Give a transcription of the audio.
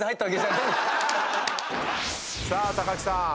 さあ木さん